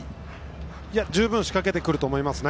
十分仕掛けてくると思いますね。